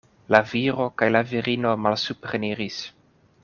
La viro kaj la virino malsupreniris.